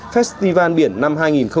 festival biển năm hai nghìn hai mươi ba